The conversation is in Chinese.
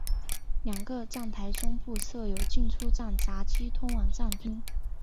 两个站台中部设有进出站闸机通往站厅。